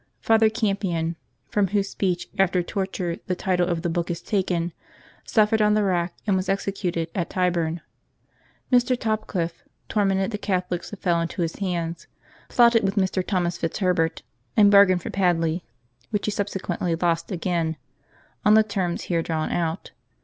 Father Campion (from whose speech after torture the title of the book is taken) suffered on the rack and was executed at Tyburn. Mr. Topcliffe tormented the Catholics that fell into his hands; plotted with Mr. Thomas Fitz Herbert, and bar gained for Padley (which he subsequently lost again) on the terms here drawn out.